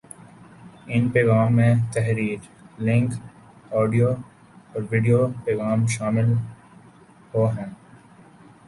ان پیغام میں تحریر ، لنک ، آڈیو اور ویڈیو پیغام شامل ہو ہیں